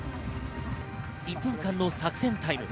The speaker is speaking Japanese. １分間の作戦タイム。